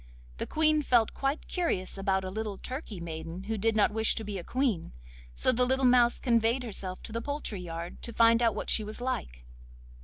The Queen felt quite curious about a little turkey maiden who did not wish to be a Queen, so the little mouse conveyed herself to the poultry yard to find out what she was like.